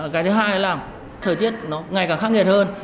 cái thứ hai là thời tiết nó ngày càng khắc nghiệt hơn